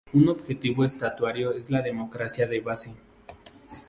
Un objetivo estatutario es la democracia de base.